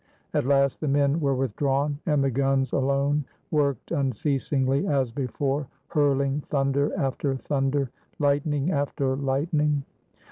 At last the men were withdrawn ; and the guns alone worked unceasingly as before, hurling thunder after thunder, lightning after lightning.